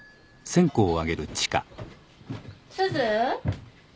すず？